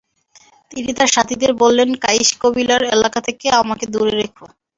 তিনি তার সাথীদের বললেন, কাইশ কবিলার এলাকা থেকে আমাকে দূরে রেখ।